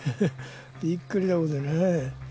びっくりだもんでね。